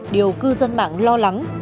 điều cư dân mạng lo lắng